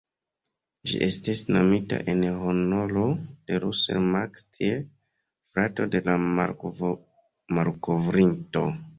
Ĝi estis nomita en honoro de "Russell Mark Steel", frato de la malkovrinto.